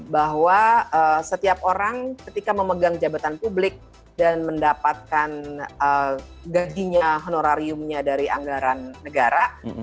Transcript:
bahwa setiap orang ketika memegang jabatan publik dan mendapatkan gajinya honorariumnya dari anggaran negara